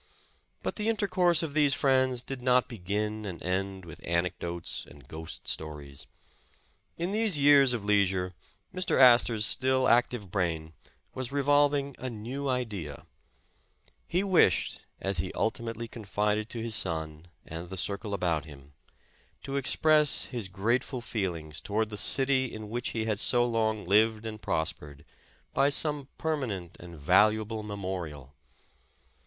But the intercourse of these friends did not begin and end with anecdotes and ghost stories. In these 293 The Original John Jacob Astor years of leisure, Mr. Astor 's still active brain was re volving a new idea. He wished, as he ultimately con fided to his son and the circle about him, to express his grateful feelings toward the city in which he had so long lived and prospered, by some permanent and valuable memorial.